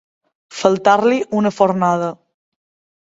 Faltar-li una fornada.